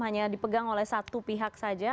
hanya dipegang oleh satu pihak saja